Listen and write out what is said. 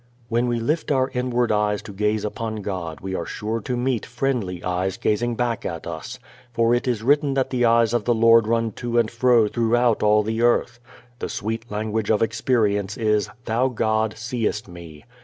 When we lift our inward eyes to gaze upon God we are sure to meet friendly eyes gazing back at us, for it is written that the eyes of the Lord run to and fro throughout all the earth. The sweet language of experience is "Thou God seest me."